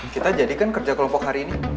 kita jadikan kerja kelompok hari ini